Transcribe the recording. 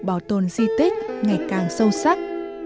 bảo tồn di tích ngày càng sâu sắc